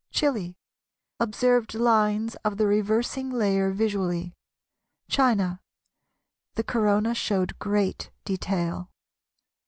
Chili, Observed lines of the reversing layer visually. China, The Corona showed great detail.